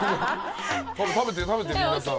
食べて食べて皆さん。